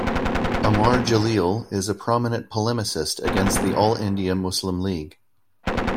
Amar Jaleel is a prominent polemicist against the All-India Muslim League.